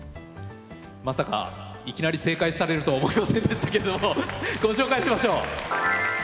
まさかいきなり正解されるとは思いませんでしたけどもご紹介しましょう。